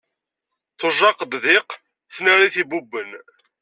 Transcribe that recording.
Tujjaqed diq tnarit ibubben.